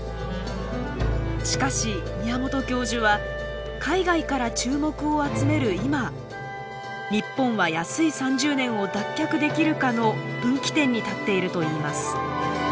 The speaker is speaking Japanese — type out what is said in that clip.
しかし宮本教授は海外から注目を集める今日本は「安い３０年」を脱却できるかの分岐点に立っているといいます。